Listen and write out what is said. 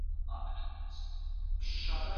که سياست سم وي ټولنه پرمختګ کوي.